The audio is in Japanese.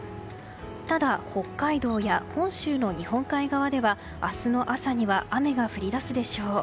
ただ、北海道や本州の日本海側では明日の朝には雨が降り出すでしょう。